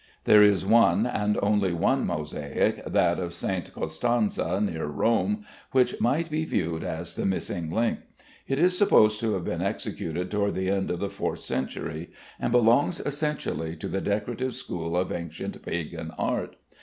There is one, and only one, mosaic, that of St. Costanza, near Rome, which might be viewed as the missing link. It is supposed to have been executed toward the end of the fourth century, and belongs essentially to the decorative school of ancient pagan art.